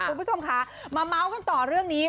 คุณผู้ชมค่ะมาเมาส์กันต่อเรื่องนี้